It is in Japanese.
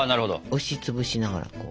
押し潰しながら。